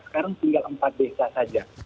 sekarang tinggal empat desa saja